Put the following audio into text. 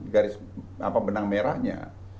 garis benang merahnya